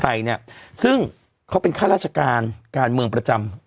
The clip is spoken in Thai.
เนี่ยซึ่งเขาเป็นข้าราชการการเมืองประจำ